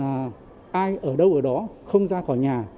ai ở đâu ở đó không ra khỏi nhà